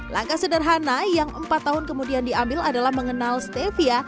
langkah sederhana yang empat tahun kemudian diambil adalah mengenal stevia